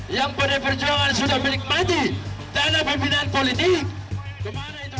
yang pdi perjuangan sudah menikmati tak ada pembinaan politik